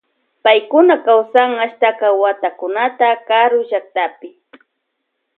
Paykuna kawsan ashtaka watakunata karu llaktapi.